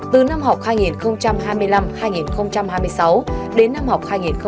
từ năm học hai nghìn hai mươi năm hai nghìn hai mươi sáu đến năm học hai nghìn hai mươi hai nghìn hai mươi một